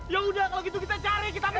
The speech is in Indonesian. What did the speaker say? yaudah kalo gitu kita cari kita mencar